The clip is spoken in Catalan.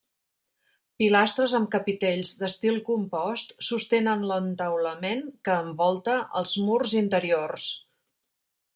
Pilastres amb capitells d'estil compost sostenen l'entaulament que envolta els murs interiors.